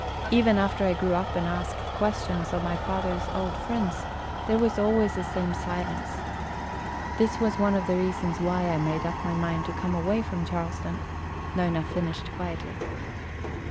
Even after I grew up and asked questions of my father's old friends there was always the same silence. This was one of the reasons why I made up my mind to come away from Charleston," Nona finished quietly.